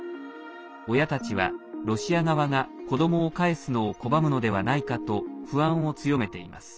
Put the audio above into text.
親たちはロシア側が子どもをかえすのを拒むのではないかと不安を強めています。